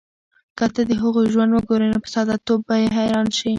که ته د هغوی ژوند وګورې، نو په ساده توب به یې حیران شې.